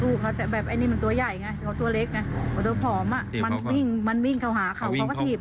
แต่แบบอันนี้มันตัวใหญ่ไงตัวเล็กไงตัวผอมมันวิ่งเข้าหาเขาก็ทีบติด